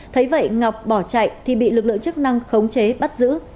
thấy vậy ngọc bỏ chạy thì bị lực lượng chức năng khống chế bắt giữ